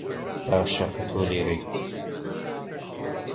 باشە کە تۆ لێرەیت.